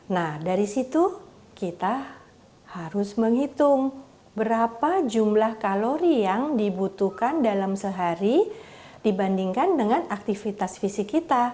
nah dari situ kita harus menghitung berapa jumlah kalori yang dibutuhkan dalam sehari dibandingkan dengan aktivitas fisik kita